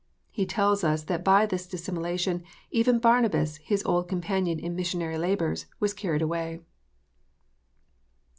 He tells us that by this dissimulation even Barnabas, his old companion in missionary labours, "was carried away."